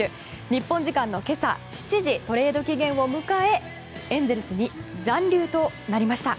日本時間の今朝７時トレード期限を迎えエンゼルスに残留となりました。